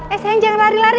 eh sayang jangan lari lari